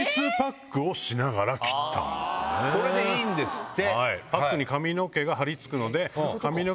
これでいいんですって。